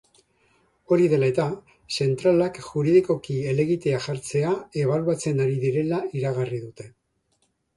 Hori dela eta, zentralak juridikoki helegitea jartzea ebaluatzen ari direla iragarri dute.